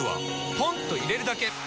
ポンと入れるだけ！